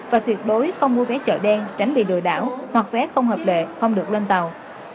và tuyệt đối không mua vé chợ đen tránh bị đội đảo hoặc vé không hợp lệ không được lên tàu